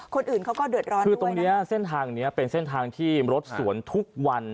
คนอื่นเขาก็เดือดร้อนคือตรงเนี้ยเส้นทางเนี้ยเป็นเส้นทางที่รถสวนทุกวัน